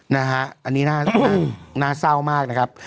นะฮะอันนี้น่าเศร้ามากนะครับ